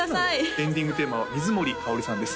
エンディングテーマは水森かおりさんです